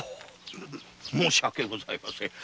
申し訳ございません。